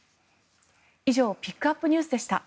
以上ピックアップＮＥＷＳでした。